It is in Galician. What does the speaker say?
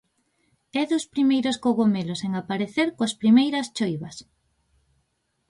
É dos primeiros cogomelos en aparecer coas primeiras choivas.